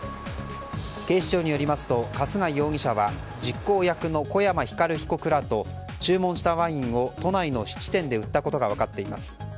警視庁によりますと春日井容疑者は実行役の湖山光被告らと注文したワインを都内の質店で売ったことが分かっています。